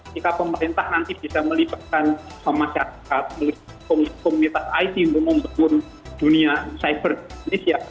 jika pemerintah nanti bisa melibatkan masyarakat komunitas it untuk membangun dunia cyber di indonesia